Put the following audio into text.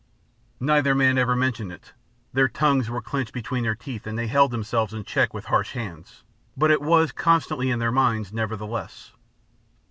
Neither man ever mentioned it their tongues were clenched between their teeth and they held themselves in check with harsh hands but it was constantly in their minds, nevertheless.